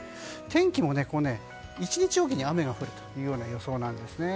天気も１日おきに雨が降るという予想なんですね。